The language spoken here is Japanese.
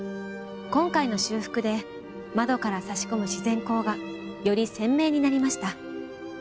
今回の修復で窓から差し込む自然光がより鮮明になりました。